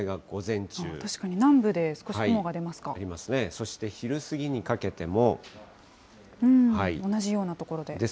確かに南部で少し雲が出ます出ますね、そして昼過ぎにか同じような所で。